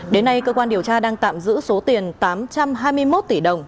đến nay cơ quan điều tra đang tạm giữ số tiền tám trăm hai mươi một tỷ đồng